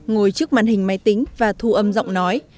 ngồi trước màn hình máy tính và thu âm giọng nói